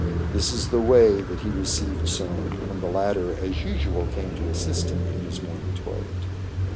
This is the way that he received Soun, when the latter as usual came to assist him in his morning toilet.